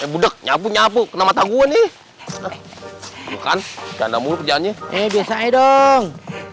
budak nyapu nyapu kenapa tangguh nih bukan ganda mulut jalan nya eh bisa dong